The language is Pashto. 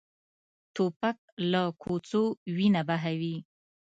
توپک له کوڅو وینه بهوي.